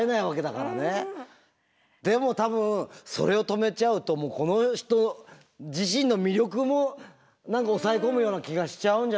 でも多分それを止めちゃうとこの人自身の魅力も何か抑え込むような気がしちゃうんじゃないかしら。